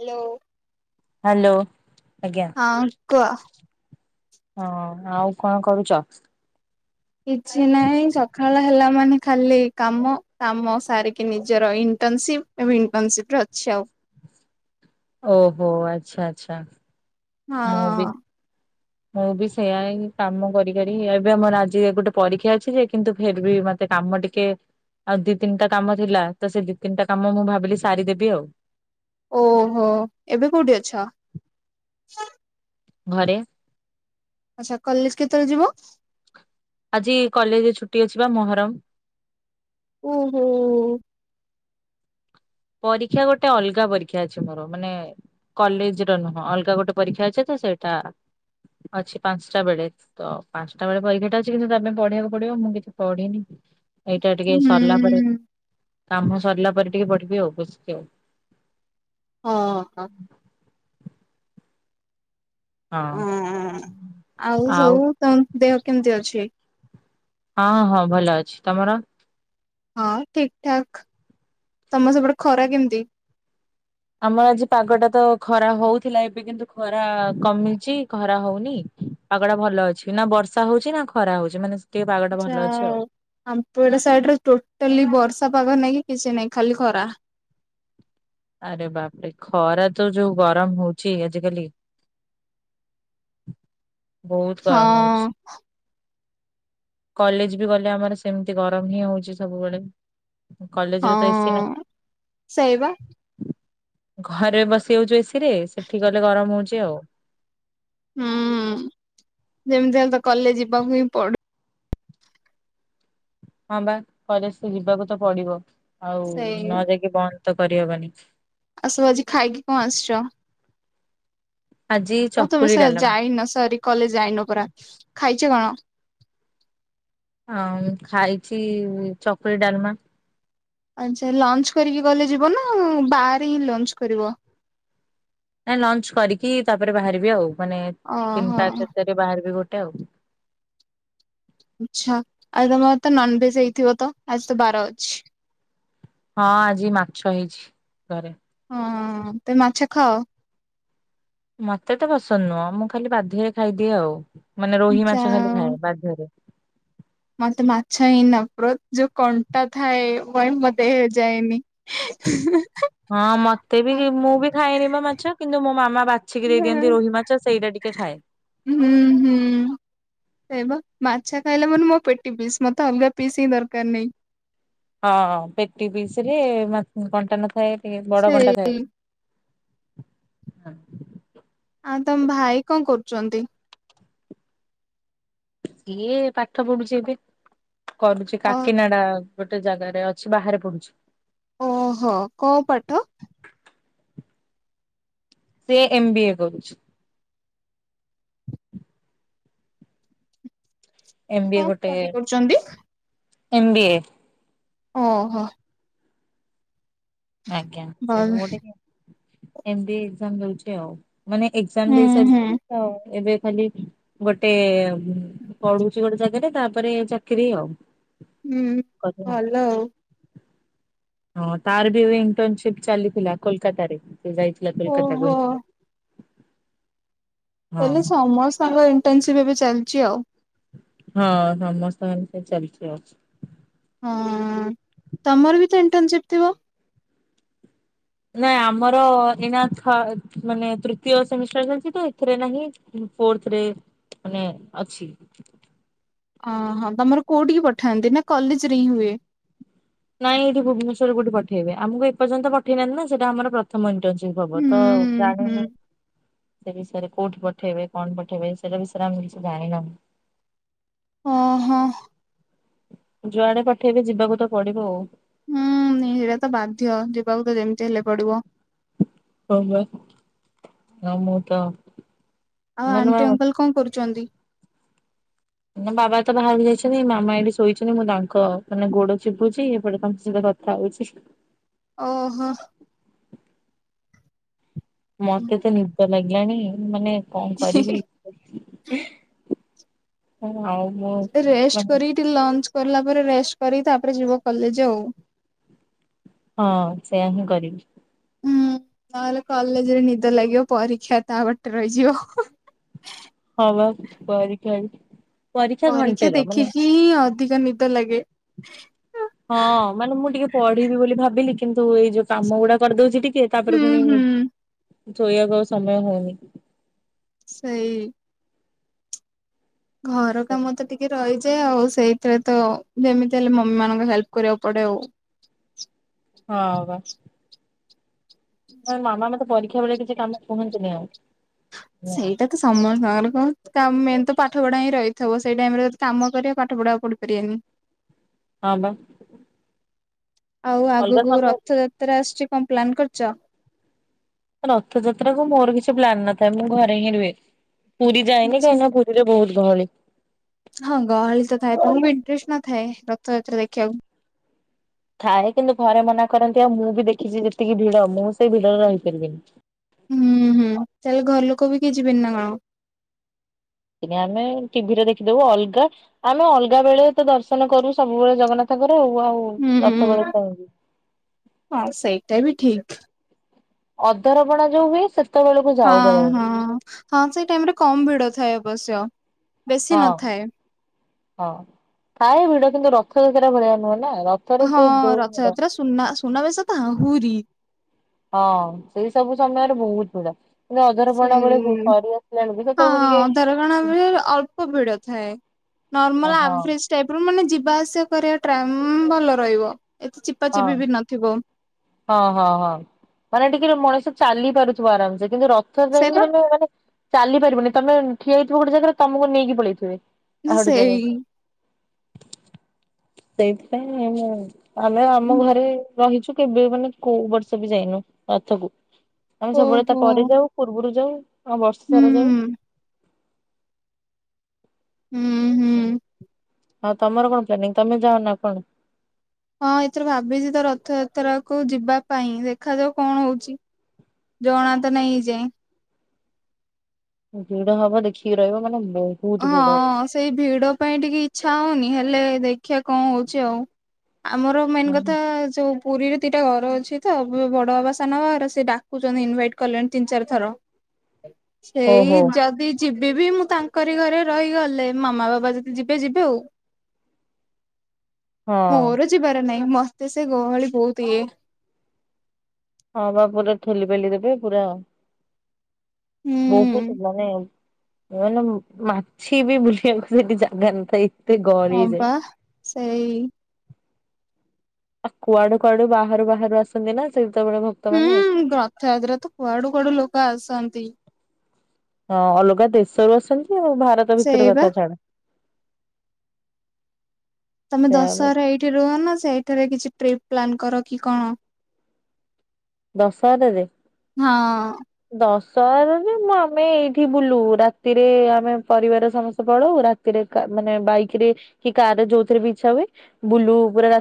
Hello. Hello ଆଜ୍ଞା। ହଁ କୁହ। ହଁ ଆଉ କଣ କରୁଛ? କିଛି ନାଇଁ ସକାଳ ହେଲା ମାନେ ଖାଲି କାମ। କାମ ସାରିକି ନିଜର ଇଣ୍ଟର୍ନସିପ ଏବେ ଇଣ୍ଟର୍ନସିପ ରେ ଅଛି ଆଉ। ଓହୋ ଆଚ୍ଛା ଆଚ୍ଛା। ମୁଁ ବି ହଁ। ମୁଁ ବି ସେୟାଁ ଏ କାମ କରି କରି ଏବେ ଆମର ଆଜି ଗୋଟେ ପରୀକ୍ଷା ଅଛି ଯେ କିନ୍ତୁ ଫେର ବି ମ ସେ କାମ ଟିକେ ଆଉ ଦି ତିନିଟା କାମ ଥିଲା ତ ସେ ଦି ତିନିଟା କାମ ମୁଁ ଭାବିଲି ସାରିଦେବି ଆଉ। ଓହୋ, ଏବେ କୋଉଠି ଅଛ? ଘରେ। ଆଚ୍ଛା କଲେଜ କେତେବେଳେ ଯିବ? ଆଜି କଲେଜ ଛୁଟି ଅଛି ବା ମହରମ। ଉଁ ହୁଁ। ପରୀକ୍ଷା ଗୋଟେ ଅଲଗା ପରୀକ୍ଷା ଅଛି ମୋର ମାନେ କଲେଜ ର ନୁହଁ ଅଲଗା ଗୋଟେ ପରୀକ୍ଷା ଅଛି ତ ସେଇଟା ଅଛି ପାଞ୍ଚଟା ବେଳେ। ତ ପାଞ୍ଚଟା ବେଳେ ପରୀକ୍ଷା ଟା ଅଛି କିନ୍ତୁ ତା ପାଇଁ ପଢିବାକୁ ପଡିବ ମୁଁ କିଛି ପଢିନି। ଏଇଟା ଟିକେ ସରିଲା ପରେ ହୁଁ। କାମ ସରିଲା ପରେ ଟିକେ ପଢିବି ଆଉ ବୁସକି ଆଉ। ହଁ ହଁ। ଆଉ ହଁ ଆଉ ହଁ ସବୁ ତମ ଦେହ କେମିତି ଅଛି? ହଁ ହଁ ଭଲ ଅଛି ତମର? ହଁ ଠିକ ଠାକ ତମ ସେପଟେ ଖରା କେମିତି? ଆମର ଆଜି ପାଗଟା ତ ଖରା ହଉଥିଲା ଏବେ କିନ୍ତୁ ଖରା କମିଛି ଖରା ହଉନି। ପାଗଟା ଭଲ ଅଛି ନାବର୍ଷା ହଉଛି ନାଖରା ହଉଛି ମାନେ ଟିକେ ପାଗଟା ଭଲ ଯା ଅଛି ଆଉ। ହେଉ। ଆମପଟ ସାଇଟିରେ ଟୋଟାଲି ବର୍ଷା ପାଗ ନାଇଁ କି କିଛି ନାହିଁ ଖାଲି ଖରା। ଆରେ ବାପରେ ଖରାତ ଯୋଉ ଗରମ ହଉଛି ଆଜିକାଲି ବହୁତ ଗରମ ହଉଛି। ହଁ କଲେଜବି ଗଲେ ଆମର ସେମତି ଗରମ ହିଁ ହଉଛି ସବୁବେଳେ। କଲେଜରେ ତ ଏସି ହଁ ନାହିଁ ସେଇବା। ଘରେ ବସି ହଉଛୁ ଏସିରେ ସେଠି ଗଲେ ଗରମ ହଉଛି ଆଉ। ହୁଁ ଯେମିତି ହେଲେତ କଲେଜ ଯିବାକୁ ହିଁ ପଡ ହଁ ବା କଲେଜତ ଯିବାକୁତ ପଡିବ ଆଉ ସେଇ ନଯାଇକି ବନ୍ଦତ କରିହବନି। ଆଉ ସବୁ ଆଜି ଖାଇକି କଣ ଆସିଛ? ଆଜି ଓ ତମେ ଚକୁଳି ସାର ଡାଲମା। ଯାଇନ ସରି କଲେଜ ଯାଇନ ପରା ଖାଇଛ କଣ? ହଁ ଖାଇଛି ଚକୁଳି ଡାଲମା ଆଛା ଲଞ୍ଚ କରିକି କଲେଜ ଯିବନା ବାହାରେ ହିଁ ଲଞ୍ଚ କରିବ? ନାଇଁ ଲଞ୍ଚ କରିକି ତାପରେ ବାହାରିବି ଆଉ ମାନେ ଓହୋ ତିନିଟା କେତେରେ ବାହାରିବି ଗୋଟେ ଆଉ। ଆଛା ଆଉ ତମରତ ନନଭେଜ ହେଇଥିବତ ଆଜିତ ବାର ଅଛି? ହଁ ଆଜି ମାଛ ହେଇଛି ଘରେ। ହୁଁ ତମେ ମାଛ ଖାଅ? ମତେ ତ ପସନ୍ଦ ନୁହଁ ମୁଁ ଖାଲି ବାଧ୍ୟରେ ଖାଇଦିଏ ଆଉ ମାନେ ରୋହି ମାଛ ଯାହା ଖାଲି ହଉ। ଖାଏ ବାଧ୍ୟରେ। ମତେ ମାଛ ହିଁ ନଫର୍ତ୍ ଯୋଉ କଣ୍ଟା ଥାଏ ଭାଇ ମୋ ଦେହରେଯାଏନି। ହେଁ ହେଁ। ହଁ ମତେବି ମୁଁ ବି ଖାଏନିମ ମାଛ କିନ୍ତୁ ମୋ ମାମା ବାଛ ବାଛିିକି ଦେଇିଅନ୍ତି ରୋହିମାଛ ସେଇଟା ଟିକେ ଖାଏ। ହୁଁ ହୁଁ। ସେଇବା ମାଛ ଖାଇଲେ ମାନେ ମୋ ପେଟି ପିସ୍ ମତେ ଅଲଗା ପିସ୍ ହିଁ ଦରକାର ନାହିଁ। ହଁ ହଁ ପେଟି ପିସରେ ମା କଣ୍ଟା ନଥାଏ ଟିକେ ବଡ କଣ୍ଟା ସେଇ ଥାଏ। ଆଉ ତମ ଭାଇ କଣ କରୁଚନ୍ତି? ସିଏ ପାଠ ପଢୁଛି ଏବେ କରୁଛି ଅ କାକିନାଡା ଗୋଟେ ଜାଗାରେ ଅଛି ବାହାରେ ପଡୁଛି। ଓହୋ କୋଉ ପାଠ? ସିଏ ଏମ୍ ବି ଏ କରୁଛି। ଏମ୍ବିଏ କଣ ଗୋଟେ ଷ୍ଟଡି କରୁଛନ୍ତି? ଏମ୍ୱ ବି ଏ। ଓହୋ। ଆଜ୍ଞା ସେ ତ ଭଲ ଗୋଟେ ଏମ୍ବ ବି ଏ ଏକେଜାମଦୋଉଚି ଆଉ। ମାନେ ଏକ୍ଜାମ ହୁଁ ଦେଇ ହୁଁ ସାରିଛନ୍ତି ତ ଏବେ ଖାଲି ଗୋଟେ ପଢୁଛି ଗୋଟେ ଜାଗାରେ ତାପରେ ଚାକିରି ଆଉ। ହୁଁ କରିବା। ଭଲ ଆଉ ହଁ ତାରବି ଏଣ୍ଟରନସିପ ଚାଲିଥିଲା କୋଲକାତାରେ ସେ ଯାଇଥିଲା କୋଲକାତା ଓହୋ ଇ ହଁ ହେଲେ ସମସ୍ତଙ୍କର ଇଣ୍ଟନସିପ ଏବେ ଚାଲିଛି ଆଉ। ହଁ ସମସ୍ତଙ୍କ ଏନା ଚାଲିଛି ଆଉ। ହଁ ତମର ବିତ ଇଣ୍ଟରନସିପ ଥିବ? ନାଇଁ ଆମର ଏଇନା ମାନେ ଥ ତୃତୀୟ ସେମିଷ୍ଟାର ଚାଲିଛି ତ ଏଥିରେ ନାହିଁ। ଫୋର୍ଥରେ ମାନେ ଅଛି। ଓହୋ ତମର କୋଉଠିକି ପଠାନ୍ତି ନାକଲେଜରେ ହିଁ ହୁଏ? ନାଇଁ ଏଇଠି ଭୁବନେଶ୍ୱର କୋଉଠି ପଠେଇବେ ଆମକୁ ଏପର୍ଯ୍ୟନ୍ତ ପଠେଇନାହାନ୍ତିନା ସେଟା ଆମର ପ୍ରଥମ ଇଣ୍ଟନସିପ ହବତ ଆଉ। ହୁଁ ହୁଁ। ଜାଣିନି ସେବିଷୟରେ କୋଉଠି ପଠେଇବେ କଣ ପଠେଇବେ ସେରା ବିଷୟରେ ଆମେ କିଛି ଜାଣିନାହୁଁ। ଓ ହୋ। ଯୁଆଡେ ପଠେଇବେ ଯିବାକୁତ ପଡିବ ଆଉ। ହୁଁ ଏଇରାତ ବାଧ୍ୟ ଯିବାକୁତ ଯେମିତି ହେଲେ ପଡିବ। ହଁବା ଆ ମୁଁତ ଆଉ ଆଣ୍ଟି ଅଙ୍କଲ କଣ କରୁଚନ୍ତି? ନା ବାବା ତ ବାହାରକୁ ଯାଇଛନ୍ତି ମାମା ଏଇଠି ଶୋଇଛନ୍ତି ମୁଁ ତାଙ୍କ ମାନେ ଗୋଡ ଚିପୁଛି ଏପଟେ ତାମସହିତ ଥା ହୋଉଚି। ଓହୋ। ମତେ ତ ନିଦ ଲାଗିଲାଣି ମାନେ କଣ କରିବି। ହଁ ହୋଉ। ରେଷ୍ଟ କରିକି ଟିକେ ଲଞ୍ଚ କଲା ପରେ ରେଷ୍ଟ କରିକି ତାପରେ ଯିବ କଲେଜ ଆଉ। ହଁ ସେଇୟା ହିଁ କରିବି। ହୁଁ, ନହେଲେ କଲେଜରେ ନିଦ ଲାଗିବ। ପରୀକ୍ଷା ତା ବାଟରେ ରହିଯିବ। ହ ବା [inaudible] ପରୀକ୍ଷା ଘଣ୍ଟେର ଦେଖିକି ମାନେ ହିଁ ଅଧିକା ନିଦ ଲାଗେ। ହଁ ମାନେ ମୁଁ ଟିକେ ପଢିବି ବୋଲି ଭାବିଲି କିନ୍ତୁ ଏଇ ଯୋଉ କାମ ଗୁଡା କରିଦଉଛି ଟିକେ ତାପରେ ହୁଁ ପୁଣି ହୁଁ ନି ଶୋଇବାକୁ ଆ ସମୟ ହଉନି। ସେଇ ଘର କାମ ତ ଟିକେ ରହିଯାଏ। ଆଉ ସେଇ ସେଥିରେ ତ ଯେମିତି ହେଲେ ମମି ମାନଙ୍କୁ ହେଲ୍ପ କରିବାକୁ ପଡେ ଆଉ। ହଁ ହ ବା ହ ମାମା ମତେ ପରୀକ୍ଷା ବେଳେ କିଛି କାମ କୁହନ୍ତିନି ଆଉ। ସେଇଟା ସମସ୍ତଙ୍କର କଣ? ତ ମେନ୍ ତ ପାଠ ପଢା ହିଁ ରହିଥିବ। ସେଇ ଟାଇମ ରେ ଯଦି କାମ କରିବା ପାଠ ପଢାକୁ ପଢିପାରିବନି। ହଁ ବା ଆଉ ଅଲଗା ଆଗକୁ ସମୟ ରଥଯାତ୍ରା ତ୍ରା ଆସୁଛି କଣ ପ୍ଲାନ୍ କରିଛ? ରଥଯାତ୍ରା କୁ ମୋର କିଛି ପ୍ଲାନ ନଥାଏ। ମୁଁ ଘରେ ହିଁ ରୁହେ। ପୁରୀ ଯାଇନି କାହିଁକି ନା ରେ ବହୁତ ଗହଳି। ହଁ ଗହଳି ତ ଥାଏ। ତମକୁ ଇଣ୍ଟରେଷ୍ଟ ନଥାଏ ରଥଯାତ୍ରା ଦେଖିବାକୁ? ଥାଏ କିନ୍ତୁ ଘରେ ମନା କରନ୍ତି ଆଉ ମୁଁ ବି ଦେଖିଛି ଯେତିକି ଭିଡ ମୁଁ ସେ ଭିଡରେ ରହିପାରିବିନି। ହୁଁ ହୁଁ। ତାହେଲେ ଘର ଲୋକ ବି କେହି ଯିବେନି ନା କଣ? କି ଆମେ ଟିଭିରେ ଦେଖିଦବୁ। ଅଲଗା- ଆମେ ଅଲଗା ବେଳେ ତ ଦର୍ଶନ କରୁ। ସବୁବେଳେ ଜଗନ୍ନାଥଙ୍କର ଆଉ ରଥ ବେଳେ ହୁଁ। କାଇଁ ଯିବୁ। ହଁ ସେଇଟା ବି ଠିକ। ଅଧରପଣା ଯୋଉ ହୁଏ ସେ ହଁ, ହଁ। ହଁ ସେଇ ଟାଇମ ରେ କମ ଭିଡ ଥାଏ ଅବଶ୍ୟ। ବେଶୀ ହଁ ନଥାଏ। ହଁ ଥାଏ ଭିଡ କିନ୍ତୁ ରଥଯାତ୍ରା ଭଳିଆ ନୁହେଁ ନା ରଥରେ [inaudible] ନା ସୁନା ବେଶ ତ ଆହୁରି ହଁ ସେଇ ସବୁ ସମୟରେ ବହୁତ ଭିଡ। କିନ୍ତୁ ଅଧରପଣା ସେଇ, ବେଳକୁ ସରି ଆସିଲା ବେଳକୁ ସେତେବେଳକୁ ହଁ ଟିକେ ଅଧରପଣା ବେଳେ ଅଳ୍ପ ଭିଡ ଥାଏ। ହଁ ନର୍ମାଲ ଆଭରେଜ୍ ଟାଇପ ର ମାନେ ଯିବା ଆସିବା କରିବା ଟ୍ରାମ ଭଲ ରହିବ। ଏତେ ଚିପା ହଁ। ଚିପି ବି ନଥିବ। ହଁ, ହଁ, ହଁ। ମାନେ ଟିକେ ମଣିଷ ଚାଲି ପାରୁଥିବ ଆରାମସେ କିନ୍ତୁ ର ରଥଯାତ୍ରା ଟାଇମରେ ସେଇପା ତମେ ମାନେ ଚାଲି ପାରିବନି ତମେ ଠିଆ ହେଇଥିବ ଗୋଟେ ଜାଗାରେ ତମକୁ ନେଇକି ପଳେଇଥିବେ। ଆଉ ଗୋଟେ ସେଇ ଜାଗାରେ। ସେଇଥିପାଇଁ ମୁଁ ଆମେ ଆମ ଘରେ ରହିଛୁ କେବେ ମାନେ କୋଉ ବର୍ଷ ବି ଯାଇନୁ ରଥକୁ। ଆମେ ସବୁବେଳେ ତା ଓହୋ ପରେ ଯାଉ। ପୂର୍ବରୁ ଯାଉ। ଆଉ ବର୍ଷ ହୁଁ ସାରା ଯାଉ। ହୁଁ। ହୁଁ ଆଉ ତମର କଣ ପ୍ଲାନିଂ? ତମେ ଯା ନା କଣ? ହଁ ଏଥର ଭାବିଛି ତ ରଥଯାତ୍ରା କୁ ଯିବା ପାଇଁ। ଦେଖାଯାଉ କଣ ହଉଛି? ଜଣା ତ ନହିଁ ଏ ଯାଏଁ। ଭିଡ ହବ ଦେଖିକି ରହିବ। ମାନେ ବହୁ ହଁ ସେଇ ଭିଡ ପାଇଁ ଟିକେ ଇଚ୍ଛା ହଉନି। ହେଲେ ଦେଖିଆ କଣ ହଉଛି ଆଉ? ଆମର ମେନ୍ କଥା ଯୋଉ ପୁରୀରେ ଦିଇଟା ଘର ଅଛି ତ ବଡ଼ବାବା ସାନବାବାର ସେ ଡାକୁଛନ୍ତି ଇନଭାଇଟ୍ କଲେଣି ତିନି ଚାରି ଥର। ଓହୋ ସେଇ ଯଦି ଯିବି ବିି ମୁଁ ତାଙ୍କ କରି ଘରେ ରହିଗଲେ ମାମା ବାପା ଯଦି ଯିବେ ଯିବେ ଆଉ। ହଁ ମୋର ଯିବାର ନାହିଁ ମତେ ସେ ଗହଳି ବହୁତ ଇଏ। ହଁ ପା ପୁରା ଠେଲି ପେଲି ଦେବେ ପୁରା ହୁଁ। ବହୁତ ମାନେ ମାନେ ମାଛିବି ବୁଲିବାକୁ ସେଠି ଜାଗା ନଥାଏ। ଏତେ ହଁ ଗଳିରେ। ପା ସେଇ ଆ କୁଆଡୁ କୁଆଡୁ ବାହାରୁ ବାହାରୁ ଆସନ୍ତି ନା ସେତବେଳୁକୁ ହୁଁ ରଥଯାତ୍ରାରେ ତ କୁଆଡୁ କୁଆଡୁ ଲୋକ ଆସନ୍ତି? ହଁ ଅଲଗା ଦେଶରୁ ଆସନ୍ତି ଆଉ ଭାରତ ଭିତରେ ସେଇବା କଥା ଛାଡ଼। ତମେ ସେ ଦଶହରା ଏଇଠି ରୁହ ନା ସେଇଠାରେ କିଛି ଟ୍ରିପ୍ ପ୍ଲାନ କର କି କଣ? ଦଶହରାରେ? ହଁ। ଦଶହରାରେ ମୁଁ ଆମେ ଏଇଠି ବୁଲୁ, ରାତିରେ ଆମେ ପରିବାର ସମସ୍ତେ ପଳଉ ରା ତିରେ କା ମାନେ ବାଇକରେ କି କାରରେ ଯୋଉଥିରେ ବି ଇଚ୍ଛା ହୁଏ ବୁଲୁ ପୁରା ରା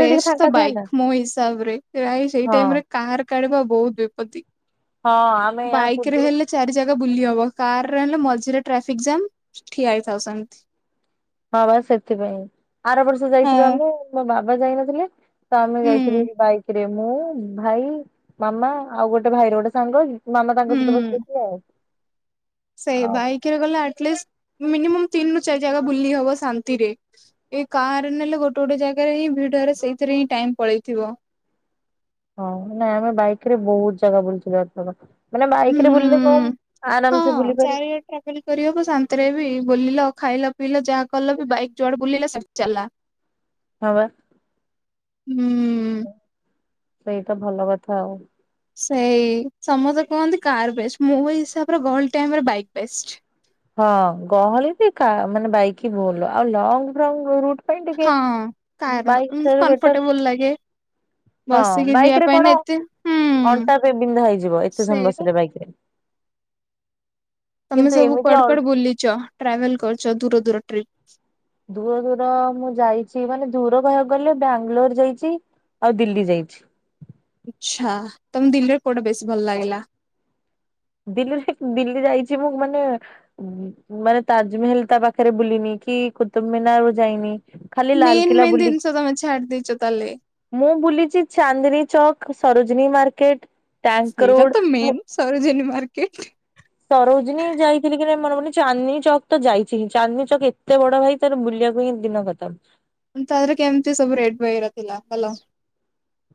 ବେଷ୍ଟ ତ ବାଇକ୍ ମୋ ହିସାବରେ ପ୍ରାଇ ସେଇ ହଁ ଟାଇମରେ କାର କାଢିବା ବହୁତ ବିପତ୍ତି, ହଁ ଆମେ ୟା ବାଇକରେ ପୂର୍ବରୁ ହେଲେ ଚାରି ଜାଗା ବୁଲି ହବ, କାର ହେଲେ ମଝିରେ ଟ୍ରାଫିକ ଜାମ୍ ଠିଆ ହେଇଥାଅ ସେମତି। ହଁ ବା ସେଥିପାଇଁ ଏମିତି, ଆର ବର୍ଷ ହଁ ଯାଇଥିଲୁ ଆମେ ମୋ ବାବା ଯାଇନଥିଲେ। ତ ଆମେ ହୁଁ ଯାଇଥିଲୁ ବାଇକରେ ମୁଁ, ଭାଇ, ମାମା ଆଉ ଗୋଟେ ଭାଇର ଗୋଟେ ସାଙ୍ଗ। ମାମା ତାଙ୍କ ସହିତ ହୁଁ ବସିଯାଇଥିଲେ ଆଉ। ସେଇ ଆଉ ବାଇକରେ ଗଲେ ଆଟଲିଷ୍ଟ ମିନିମମ୍ ତିନରୁ ଚାରି ଜାଗା ବୁଲି ହବ ଶାନ୍ତିରେ। ଏଇ କାର ନେଲେ ଗୋଟେ ଗୋଟେ ଜାଗାରେ ହିଁ ଭିଡରେ ସେଇଥିରେ ହିଁ ଟାଇମ୍ ପଳେଇଥିବ। ହଁ ନାଇଁ ଆମେ ବାଇକରେ ବହୁତ ଜାଗା ବୁଲିଥିଲୁ ଆର ଥରକ। ମାନେ ହୁଁ ବାଇକରେ ବୁଲିଲେ କଣ ହଁ ଆରାମସେ ବୁଲି ପାରିବୁ। ଚାରିଆଡେ ଟ୍ରାଭେଲ କରିବାକୁ ଶାନ୍ତିରେ ବି ବୁଲିଲ ଖାଇଲ ପିଇଲ ଯାହା କଲ ବି ବାଇକ୍ ଯୁଆଡେ ବୁଲିଲା ସେ ଚାଲା। ହଁ ବା। ହୁଁ। ସେଇତ ଭଲ କଥା ଆଉ। ସେଇ ସମସ୍ତେ କୁହନ୍ତି କାର ବେଷ୍ଟ ମୁଁ ହିସାବରେ ଗହଳି ଟାଇମରେ ବାଇକ୍ ବେଷ୍ଟ। ହଁ ଗହଳିରେ କା ମାନେ ବାଇକ ଭଲ, ଆଉ ଲଙ୍ଗ ଫ୍ରଙ୍ଗ ରୁଟ୍ ପାଇଁ ଟିକେ ହଁ କାର ବାଇକ୍ ଠାରୁ ବେଟର। କମ୍ଫର୍ଟେବଲ ଲାଗେ ହଁ ବସିକି ଯିବା ବାଇକରେ ପାଇଁ ନା କଣ ଏତେ ହୁଁ ଅଣ୍ଟା ବିନ୍ଧା ହେଇଯିବ ଏତେ ସମୟ ସେଇଟା ବସିଲେ ବାଇକରେ। ତମେ ସବୁ ଏମିତି କୁଆଡେ ଅଲ କୁଆଡେ ବୁଲିଚ, ଟ୍ରାଭେଲ କରିଛ ଦୂର ଦୂର ଟ୍ରିପ୍? ଦୂର ଦୂର ମୁଁ ଯାଇଛି ମାନେ ଦୂର କହିବାକୁ ଗଲେ ବାଙ୍ଗଲୋର ଯାଇଚି। ଆଉ ଦିଲ୍ଲୀ ଯାଇଛି। ଆଚ୍ଛା ତମେ ଦିଲ୍ଲୀର କୋଉଟା ବେଶୀ ଭଲ ଲାଗିଲା? ଦିଲ୍ଲୀରେ ଦିଲ୍ଲୀ ଯାଇଛି ମୁଁ ମାନେ ମାନେ ତାଜମେହଲ ତା ପାଖରେ ବୁଲିନି କି କୁତୁବ୍ ମିନାର ଯାଇନି। ଖାଲି ମେନ୍ ଲାଲକିଲ୍ଲା ମେନ୍ ବୁଲି ଜିନିଷ ତମେ ଛାଡି ଦେଇଛ ତାହେଲେ। ମୁଁ ବୁଲିଛି ଚାନ୍ଦୀନୀ ଚକ୍, ସରୋଜିନୀ ମାର୍କେଟ। ଟ୍ୟାଙ୍କ ସେଇଟା ରୋଡ ତ ମୁଁ ମେନ୍ ସରୋଜିନୀ ମାର୍କେଟ। ସରୋଜିନୀ ଯାଇଥିଲି କି ନାଇଁ ମନେପଡୁନି ଚାନ୍ଦନୀ ଚକ୍ ତ ଯାଇଛି ହିଁ, ଚାନ୍ଦନୀ ଚକ୍ ଏତେ ବଡ ଭାଇ ତାର ବୁଲିବାକୁ ହିଁ ଦିନ ଖତମ। ତା ଦେହରେ କେମତି ସବୁ ରେଟ ବଗେରା ଥିଲା କଲ।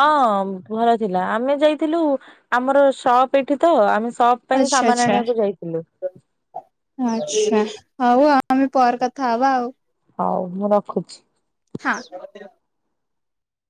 ହଁ ଭଲ ଥିଲା ଆମେ ଯାଇଥିଲୁ ଆମର ସପ ଏଠି ତ ଆମେ ସପ୍ ପାଇଁ ଆଛା ସାମାନ ଆଛା। ଆଣିବାକୁ ଯାଇଥିଲୁ। ଆଛା ହଉ ଆଉ ଆମେ ପର କଥା ହବା ଆଉ। ହଉ ମୁଁ ରଖୁଛି। ହଁ